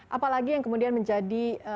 apalagi yang kemudian menjadi